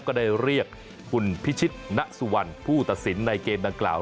ก็ได้เรียกคุณพิชิตณสุวรรณผู้ตัดสินในเกมดังกล่าว